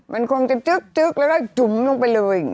มันคงจะจึ๊กแล้วก็จุ๋มลงไปเลยอย่างนี้